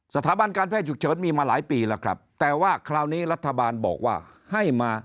สถาบันการแพทย์ฉุกเฉินมีมาหลายปีแล้วครับแต่ว่าคราวนี้รัฐบาลบอกว่าให้มา